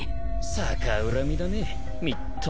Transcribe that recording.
逆恨みだねみっともねえ。